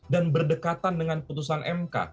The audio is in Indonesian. dan berdekatan dengan putusan mk